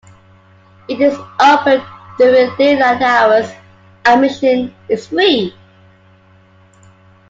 It is open during daylight hours; admission is free.